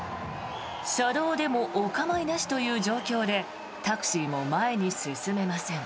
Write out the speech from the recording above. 車道でもお構いなしという状況でタクシーも前に進めません。